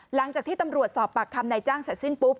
หลังจากที่ตำรวจสอบปากคำนายจ้างเสร็จสิ้นปุ๊บ